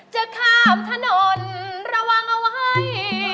จะข้ามถนนระวังเอาไว้